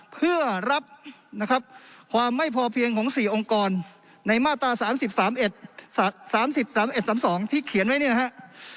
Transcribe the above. เพื่อรับนะครับความไม่พอเพียงของ๔องค์กรในมาตรา๓๐๓๑๓๒ที่เขียนไว้เนี่ยนะครับ